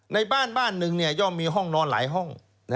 ในบ้านบ้านหนึ่งย่อมมีห้องนอนหลายห้อง